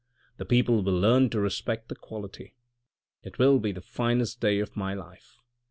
The people will learn to respect the quality. It will be the finest day of my life.'